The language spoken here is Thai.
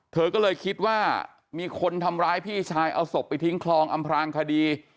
เธอก็เลยคิดว่ามีคนทำร้ายพี่ชายเอาศพไปทิ้งคลองอำพลางคดี